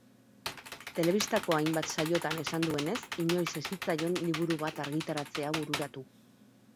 Telebistako hainbat saiotan esan duenez, inoiz ez zitzaion liburu bat argitaratzea bururatu.